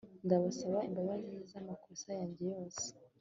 ndasaba imbabazi z'amakosa yanjye yose